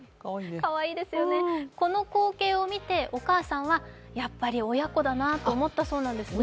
この光景を見て、お母さんはやっぱり親子だなと思ったそうなんですね。